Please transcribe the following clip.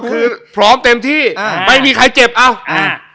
คือพร้อมเต็มที่อ่าไม่มีใครเจ็บอ้าวอ่า